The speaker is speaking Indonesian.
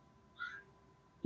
ini juga tidak pro rakyat